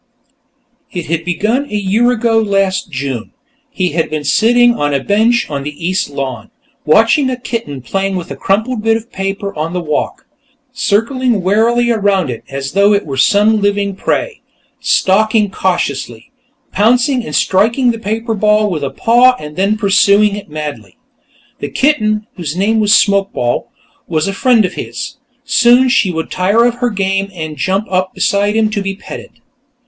It had begun a year ago last June. He had been sitting on a bench on the east lawn, watching a kitten playing with a crumpled bit of paper on the walk, circling warily around it as though it were some living prey, stalking cautiously, pouncing and striking the paper ball with a paw and then pursuing it madly. The kitten, whose name was Smokeball, was a friend of his; soon she would tire of her game and jump up beside him to be petted.